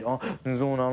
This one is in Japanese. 「そうなの」